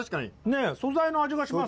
ねえ素材の味がします。